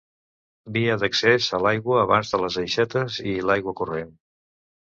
Via d'accés a l'aigua abans de les aixetes i l'aigua corrent.